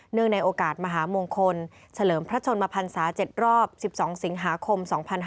ในโอกาสมหามงคลเฉลิมพระชนมพันศา๗รอบ๑๒สิงหาคม๒๕๕๙